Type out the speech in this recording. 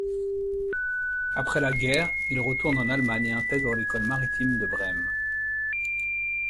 Après la guerre, il retourne en Allemagne et intègre l'École maritime de Brême.